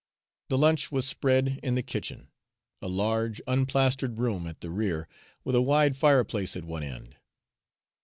The lunch was spread in the kitchen, a large unplastered room at the rear, with a wide fireplace at one end.